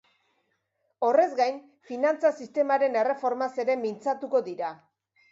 Horrez gain, finantza-sistemaren erreformaz ere mintzatuko dira.